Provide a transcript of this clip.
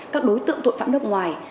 các đối tượng tội phạm nước ngoài